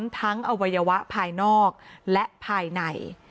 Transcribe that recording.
อวัยวะภายนอกและภายใน